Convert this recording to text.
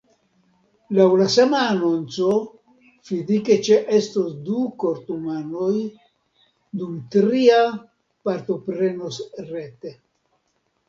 Laŭ la sama anonco, fizike ĉeestos du kortumanoj, dum tria partoprenos rete.